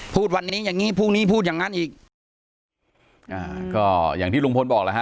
พูดวันนี้อย่างงี้พรุ่งนี้พูดอย่างงั้นอีกอ่าก็อย่างที่ลุงพลบอกแล้วฮะ